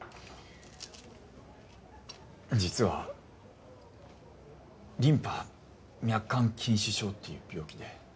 実はリンパ脈管筋腫症っていう病気で。